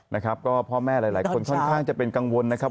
นะครับก็พ่อแม่หลายคนค่อนข้างจะเป็นกังวลนะครับ